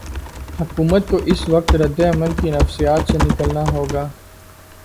حکومت کو اس وقت رد عمل کی نفسیات سے نکلنا ہو گا۔